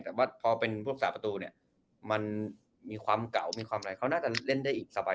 แต่ว่าพอเป็นพวกสาประตูเนี่ยมันมีความเก่ามีความอะไรเขาน่าจะเล่นได้อีกสบาย